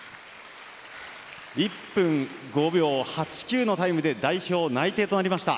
１分５秒８９のタイムで代表内定となりました。